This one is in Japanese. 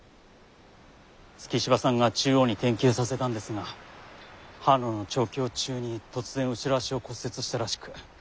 月柴さんが中央に転厩させたんですが坂路の調教中に突然後ろ脚を骨折したらしく。